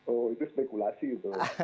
oh itu spekulasi itu